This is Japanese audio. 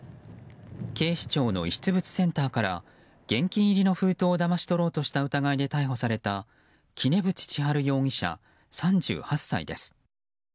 警視庁の遺失物センターから現金入りの封筒をだまし取ろうとした疑いで逮捕された杵渕千春容疑者、３８歳です。